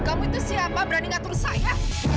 kamu itu siapa berani ngatur saya